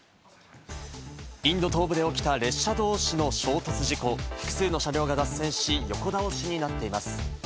インド東部で起きた列車同士の衝突事故、複数の車両が脱線し、横倒しになっています。